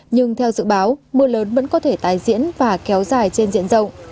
nhưng theo dự báo mưa lớn vẫn có thể tái diễn và kéo dài trên diện rộng